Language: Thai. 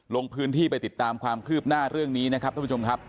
ลงพื้นที่ไปติดตามความคืบหน้าเรื่องนี้นะครับท่านผู้ชมครับ